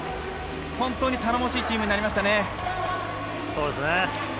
本当に頼もしいチームになりましたね。